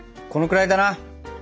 このくらいだな。